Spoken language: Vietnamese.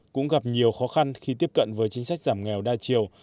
cũng gặp nhiều khó khăn khi tiếp cận với chính sách giảm nghèo đa chiều